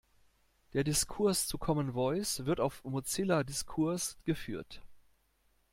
Der Diskurs zu Common Voice wird auf Mozilla Discourse geführt.